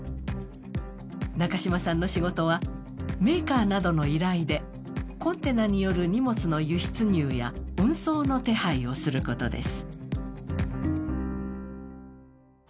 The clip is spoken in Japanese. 中島さんの仕事はメーカーなどの依頼でコンテナによる荷物の輸出入や運送の手配をすることです。